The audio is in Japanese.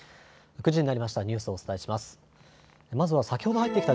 ９時になりました。